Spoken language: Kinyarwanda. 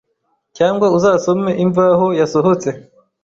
cyangwa uzasome Imvaho yasohotse